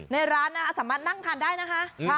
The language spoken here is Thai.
ในร้านนะสามารถนั่งทานได้นะคะ